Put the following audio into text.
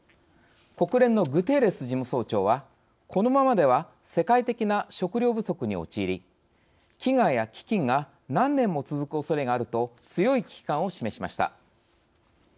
国連のグテーレス事務総長は「このままでは世界的な食糧不足に陥り飢餓や飢きんが何年も続くおそれがある」と強い危機感を示しました。